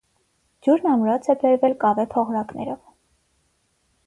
Ջուրն ամրոց է բերվել կավե փողրակներով։